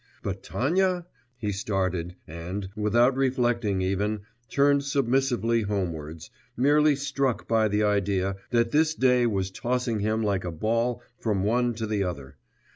But Tanya? He started, and, without reflecting even, turned submissively homewards, merely struck by the idea, that this day was tossing him like a ball from one to the other....